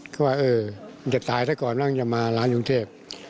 ก็ว่าเออมันจะถ่ายซะก่อนบ้างจะมาหลานยุงเทพ